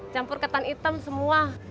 campur ketan hitam semua